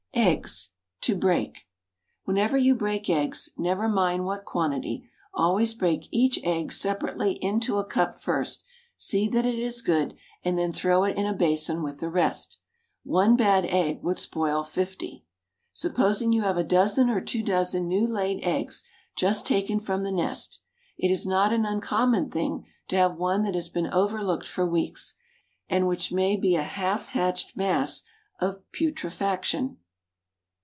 EGGS, TO BREAK. Whenever you break eggs, never mind what quantity, always break each egg separately into a cup first; see that it is good, and then throw it into a basin with the rest. One bad egg would spoil fifty. Supposing you have a dozen or two dozen new laid eggs just taken from the nest, it is not an uncommon thing to have one that has been overlooked for weeks, and which may be a half hatched mass of putrefaction.